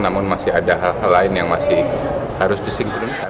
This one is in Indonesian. namun masih ada hal hal lain yang masih harus disinkronkan